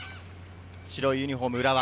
白いユニホーム、浦和。